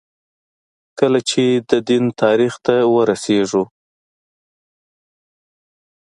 کله چې د دین تاریخ ته وررسېږو.